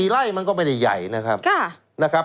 ไล่มันก็ไม่ได้ใหญ่นะครับ